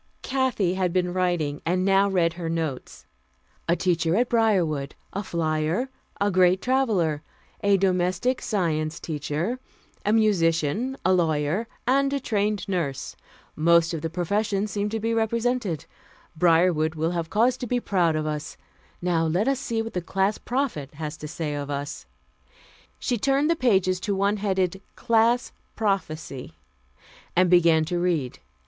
Kathy had been writing, and now read her notes: "A teacher at Briarwood; a flyer; a great traveler; a Domestic Science teacher; a musician; a lawyer; and a trained nurse. Most of the professions seemed to be represented. Briarwood will have cause to be proud of us. Now let us see what the Class Prophet has to say of us." She turned the pages to one headed CLASS PROPHECY and began to read.